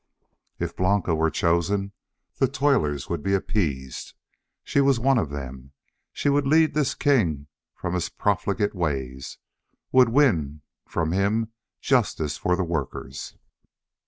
If Blanca were chosen, the toilers would be appeased. She was one of them. She would lead this king from his profligate ways, would win from him justice for the workers.